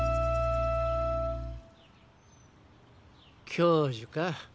教授か。